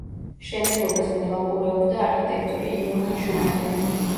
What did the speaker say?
მშენებლობას მეთვალყურეობდა არქიტექტორი იოჰან შუმახერი.